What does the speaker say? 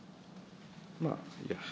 まあ、いいや。